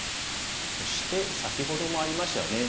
そして先ほどもありましたよね。